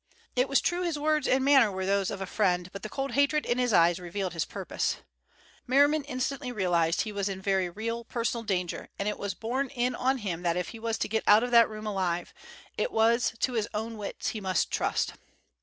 It was true his words and manner were those of a friend, but the cold hatred in his eyes revealed his purpose. Merriman instantly realized he was in very real personal danger, and it was borne in on him that if he was to get out of that room alive, it was to his own wits he must trust.